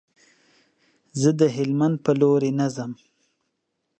زه د هلمند په لوري نه ځم.